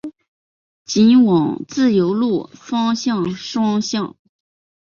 仅往自由路方向双向